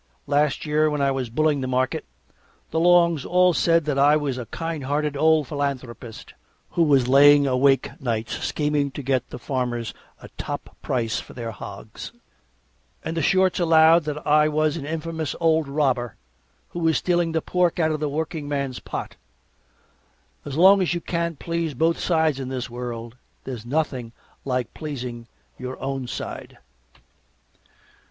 Last year, when I was bulling the market, the longs all said that I was a kindhearted old philanthropist, who was laying awake nights scheming to get the farmers a top price for their hogs; and the shorts allowed that I was an infamous old robber, who was stealing the pork out of the workingman's pot. As long as you can't please both sides in this world, there's nothing like pleasing your own side.